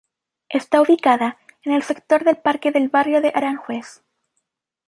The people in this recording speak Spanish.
Está ubicada en el sector del parque del barrio de Aranjuez